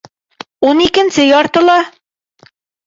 — Ун икенсе яртыла.